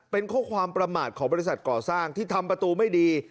เป็นข้อความประมาทของบริษัทก่อสร้างที่ทำประตูไม่ดี